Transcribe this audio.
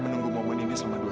jangan biarkan ini ng porsche